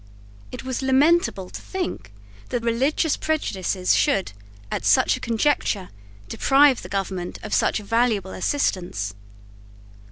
It was lamentable to think that religious prejudices should, at such a conjuncture, deprive the government of such valuable assistance.